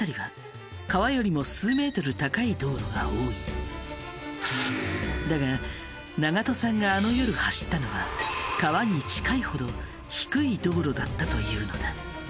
実は現在だが長門さんがあの夜走ったのは川に近いほど低い道路だったというのだ。